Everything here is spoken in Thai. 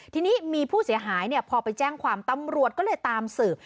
ทีนี้มีผู้เสียหายพอไปแจ้งความตำรวจก็เลยตามสืบ